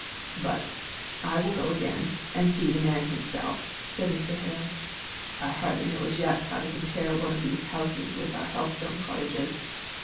"But I will go again, and see the man himself," said Mr. Hale. "I hardly know as yet how to compare one of these houses with our Helstone cottages.